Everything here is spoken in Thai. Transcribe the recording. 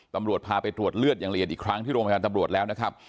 ตำรวจพาไปตรวจเลือดอย่างละเอียดอีกครั้งที่โรงพยาบาลตำรวจแล้วนะครับ